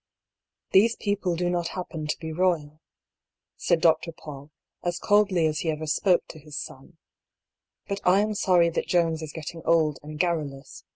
" These people do not happen to be royal," said Dr. Paull, as coldly as he ever spoke to his son. " But I am sorry that Jones is getting old and garrulous.